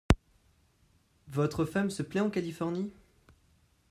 Votre femme se plait en Californie ?